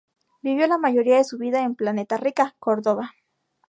Vivió la mayoría de su vida en Planeta Rica, Córdoba.